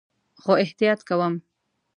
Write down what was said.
خو احتیاط کوم